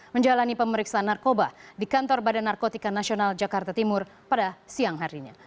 menjalani pemeriksaan narkoba di kantor badan narkotika nasional jakarta timur pada siang harinya